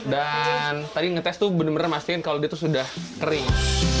dan tadi ngetes tuh bener bener mastiin kalau dia tuh sudah kering